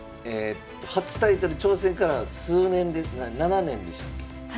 初タイトル挑戦から数年で７年でしたっけ？